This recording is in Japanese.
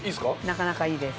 なかなかいいです。